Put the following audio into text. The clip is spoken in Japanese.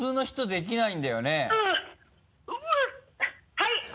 はい？